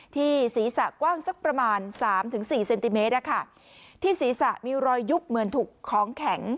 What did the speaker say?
ที่ศีรษะกว้างสักประมาณสามถึงสี่เซนติเมตรอะค่ะที่ศีรษะมีรอยยุบเหมือนถูกของแข็ง